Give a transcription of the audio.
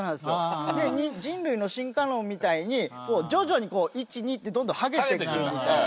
人類の進化論みたいに徐々に１２ってどんどんハゲてくみたい。